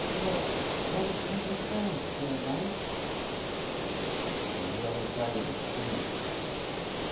"Wh ... whence came the sound, fair knight?" "From the other side of the stream."